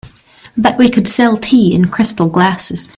But we could sell tea in crystal glasses.